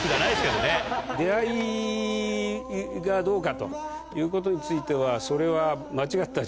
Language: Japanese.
出会いがどこかということについてはそれは。